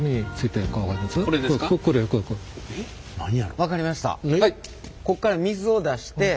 分かりました。